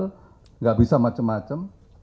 tidak bisa macam macam